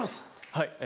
はい。